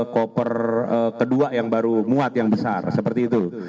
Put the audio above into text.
koper kedua yang baru muat yang besar seperti itu